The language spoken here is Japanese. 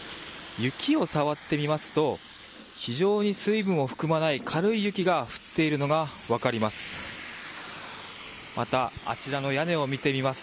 雪を触ってみますと非常に水分を含まない軽い雪が降っているのが分かります。